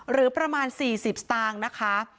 หรือประมาณ๔๐สตางค์นะคะ